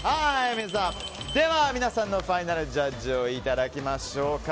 では、皆さんのファイナルジャッジをいただきましょうか。